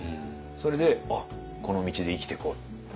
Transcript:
それで「あっこの道で生きてこう」って。